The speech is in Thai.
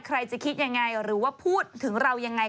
ใครจะคิดยังไงหรือว่าพูดถึงเรายังไง